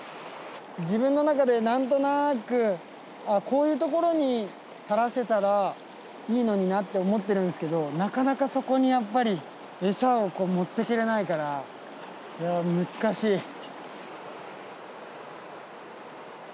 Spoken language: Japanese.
自分の中でなんとなく「あこういうところに垂らせたらいいのにな」って思ってるんですけどなかなかそこにやっぱりエサをこう持ってけれないからいや難しい。